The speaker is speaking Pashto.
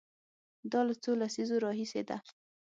دا له څو لسیزو راهیسې ده.